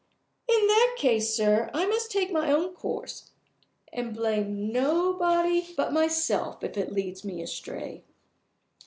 "In that case, sir, I must take my own course, and blame nobody but myself if it leads me astray."